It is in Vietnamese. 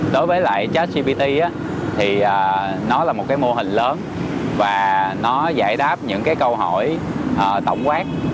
đối với lại chết cpt thì nó là một cái mô hình lớn và nó giải đáp những cái câu hỏi tổng quát